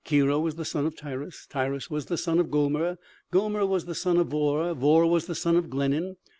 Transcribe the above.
Kirio was the son of Tiras ... Tiras was the son of Gomer ... Gomer was the son of Vorr ... Vorr was the son of Glenan